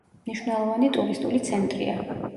მნიშვნელოვანი ტურისტული ცენტრია.